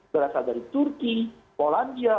berasal dari turki polandia